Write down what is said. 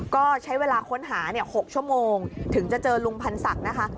ก็ใช้เวลาค้นหา๖ชั่วโมงถึงจะเจอลุงพันธ์ศักดิ์นะคะ